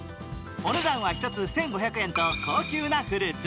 お値段は１つ１５００円と高級なフルーツ。